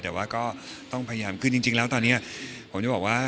แต่ว่าก็ต้องพยายามขึ้นจริงแล้วตอนนี้ผมจะบอกว่า